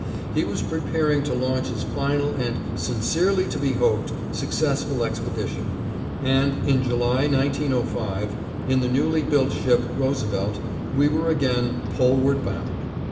He was preparing to launch his final and "sincerely to be hoped" successful expedition, and in July, 1905, in the newly built ship, Roosevelt, we were again "Poleward bound."